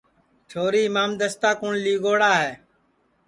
چھوری اِمام دستا کُوٹؔ لی گئوڑا ہے